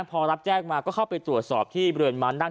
พอรับแจ้งมาก็เข้าไปตรวจสอบที่บริเวณม้านั่ง